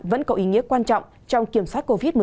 vẫn có ý nghĩa quan trọng trong kiểm soát covid một mươi chín